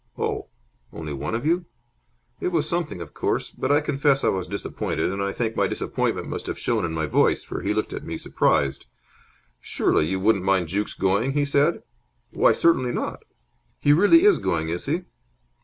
"Oh, only one of you?" It was something, of course, but I confess I was disappointed, and I think my disappointment must have shown in my voice; for he looked at me, surprised. "Surely you wouldn't mind Jukes going?" he said. "Why, certainly not. He really is going, is he?"